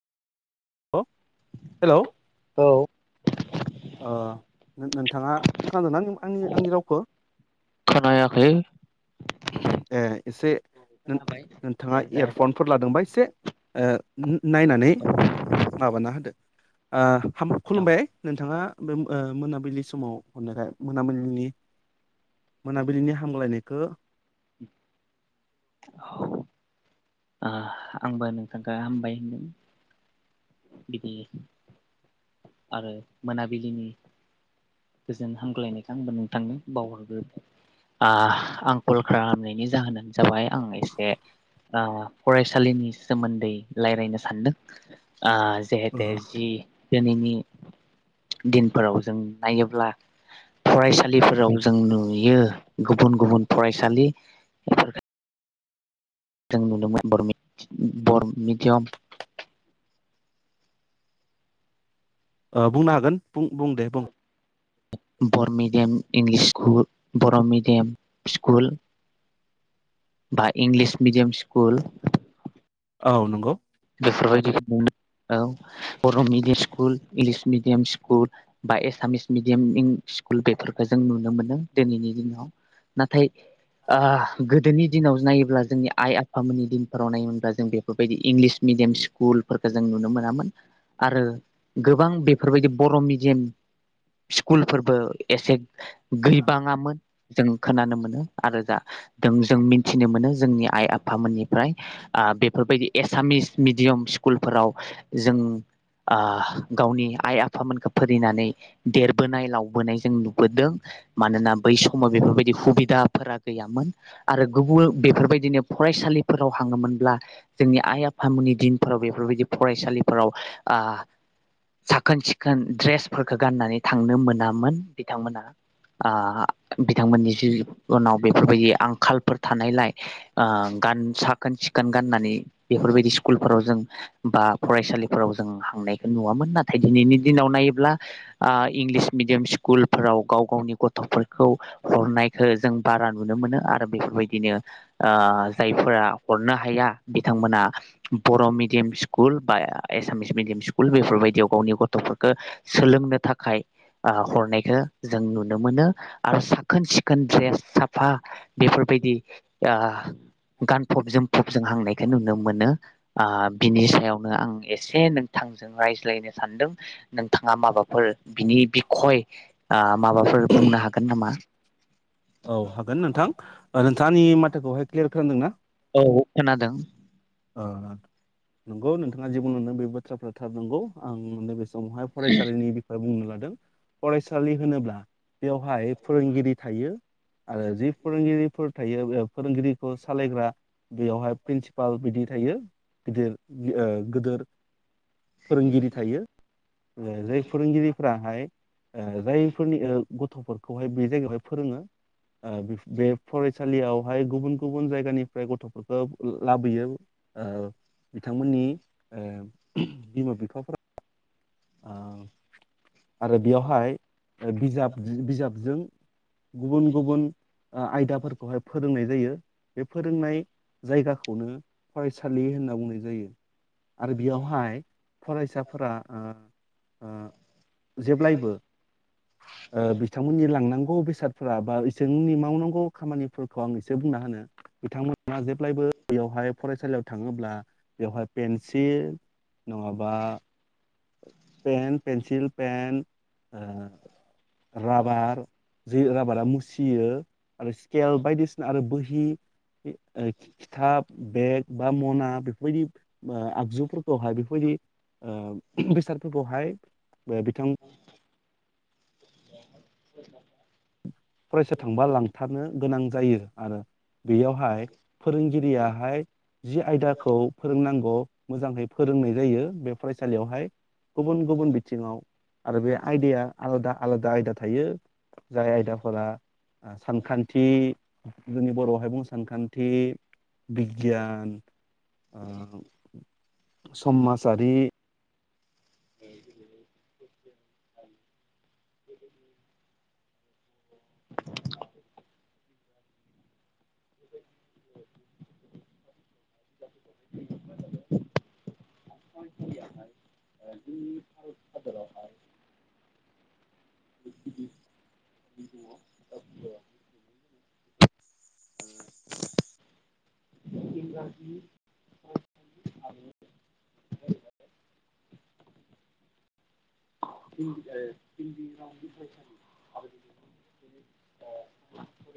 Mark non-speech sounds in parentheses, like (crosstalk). अ hello औ ओ नोंथाङा खोनादोंना आंनि आंनि रावखौ खोनायाखै ए एसे जाबाय दे नोंथाङा जाबाय इयारफनफोर लादोंबा एसे ओ नायनानै माबाना होदो ओ हाम औ खुलुमबाय नोंथाङा बे ओ मोनाबिलिनि समाव मा ओनो मोनामोनलिनि मोनाबिलिनि हामग्लायनायखो उम औ आं आंबो नोंथांखौ हामबाय होनदों बिदि आरो मोनाबिलिनि गोजोन हामगलायनायखौ आंबो नोंथांनो बावहरग्रोबाय आं आं कल खालामनायनि जाहोनानो जाबाय आं एसे ओ फरायसालिनि सोमोन्दै रायलायनो सानदों आ ओ जेहेते जि दिनैनि दिनफोराव जों नायोब्ला फरायसालिफोराव जों नु यो गुबुन गुबुन फरायसालि बेफोर जों नुदोंमोन बरमेडियाम ओ बुंनो हागोन बुं बुं दे बुं Bodo medium English school Bodo medium school बा इंलिस मिडियाम स्कुल औ नंगौ बेफोरबायदिखो नुनो औ Bodo medium school English medium school बा एसामिस मिडियाम इं स्कुल बेफोरखौ जों नुनो मोनो दोनैनि दिनाव नाथाय गोदोनि दिनाव नायोब्ला जोंनि आइ आफामोननि दिनफोराव नायोमोनब्ला जों बेफोरबायदि इंलिस मिडियाम स्कुलफोरखौ जों नुनो मोनामोन आरो गोबां बेफोरबायदि बर' मिडि याम स्कुल फोरबो एसे गैबाङामोन जों खोनानो मोनो आरो जा जों जों मिथिनो मोनो जोंनि आइ आफामोननिफ्राय आ बेफोरबायदि एसामिस मिडियाम स्कुलफोराव जों आ गावनि आइ आफामोनखौ फोरिनानै देरबोनाय लावबोनाय जों नुबोदों मानोना बै समाव बेफोरबायदि हुबिदाफोरा गैयामोन आरो गुबुन बेफोरबायदिनो फरायसालिफोराव हाङोमोनब्ला जोंनि आइ नि दिनफोराव बेफोरबायदि फरायसालि फोराव आ साखोन सिखोन द्रेसफोरखौ गाननानै थांनो मोनामोन बिथांमोनहा ओ बिथांमोननि जिबनाव बेफोरबायदि आंखालफोर थानायलाय ओ गान साखोन सिखोन गाननानै बेफोरबायदि इस्कुलफोराव जों बा फरायसालिफोराव जों हांनायखौ नुवामोन नाथाय दिनैनि दिनाव नायोब्ला ओ इंलिस मिडियाम स्कुलफोराव गाव गावनि गथफोरखौ हरनायखौ जों बारा नुनो मोनो आरो बेफोरबायदिनो ओ जायफोरा हरनो हाया। बिथांमोना बर' मिडियाम स्कुल बा एसामिस मिडियाम स्कुल बेफोरबायदियाव गावनि गथ'फोरखो सोलोंनो थाखाय ओ हरनायखौ जों नुनो मोनो आरो साखोन सिखोन दड्रेस साफा बेफोरबायदि ओ गानफब जोमफब जों हांनायखो नुनो मोनो। आ बिनि सायावनो आं एसे नोंथांजों रायज्लायनो सानदों नोंथाङा माबाफोर बिनि बिखय ओ माबाफोर बुंनो हागोन नामा? था आंनि माथोखौहाय क्लियार खोनादोंना? औ औ खोनादों। ओ नोंगौ नोंथाङा जे बुंलांदों बे बाथ थ्राफ्रा थारनोंगौ आं लोगो अमहाय फरायसालिनि बिख'याव बुंनो लाद दों फरायसालि होनोब्ला बेवहाय फोरोंगिरि थायो आरो जि फोरोंगिरिफोर थायो बेब फोरोंगिरिफोर सालायग्रा बेवहाय प्रिनसिपाल बिदि थायो गिदिर ओ गोदोर। फोरोंगिरि थायो ओ जाय फोरोंगिरिफोराहाय। ओ जायफोरनि ओ गथ'फोरखौहाय बे जायगायावहाय फोरोङो ओ बेफ बे फरायसालियावहाय गुबुन गुबुन जायगानिफ्राय गथ'फोरखो ओ लाबोयो। ओ बिथांमोननि ओ बिमा बिफाफोरा ओ आरो बेयावहाय ओ बिजाब बिजाबजों। गुबुन गुबुन ओ आयदाफोरखौहाय फोरोंनाय जायो बे फोरोंनाय जायगाखौनो। फरायसालि होनना बुंनाय जायो‌। आरो बियावहाय फरायसाफोरा ओ। ओ जेब्लायबो। ओ बिथांमोननि लांनां गौ बेसादफोरा बा इसोरनि मावनांगौ खामानिफोरखौ आं एसे बुंना होनो बिथांमोना जेब्लायबो बेवहाय फरायसालियाव थाङोब्ला बेवहाय पेन्सिल नङाबा पेन पेेनसिल पेन ओ राबार जि राबारा मुसियो। आरो स्केल बायदिसिना आरो बोह हि ओ खि‌ खिथाब बेग बा मना बेफोरबायदि ओ आगजुफोरखौहाय बेफोरबायदि ओ बेसादफोरखौहाय ओ बिथांम (inaudible) फरायसा थांबा लांथारनो गोनां जायो आरो। बियावहाय फोरोंगिरिया (unintelligible) जि आयदाखौ फोरोंनांगौ मोजांहै फोरोंनाय जायो बे फरायसालियावहाय। गुबुन गुबुन बिथिङाव आरो बे आयदाया आलादा आलादा आयदा थायो (unintelligible) सानखान्थि जोंनि बर'हाय बुं सानखान्थि बिगियान ओ समाजारि (inaudible) (inaudible) (inaudible) (inaudible) (inaudible)